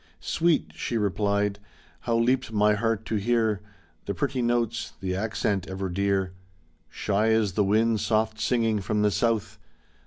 Sweet she replied. How leaped my heart to hear The pretty notes, the accent ever dear, Shy as the wind soft singing from the South